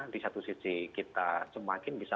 di satu sisi kita semakin bisa